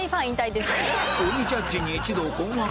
鬼ジャッジに一同困惑！？